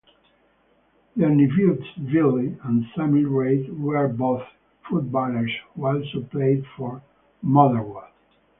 Their nephews Billy and Sammy Reid were both footballers who also played for Motherwell.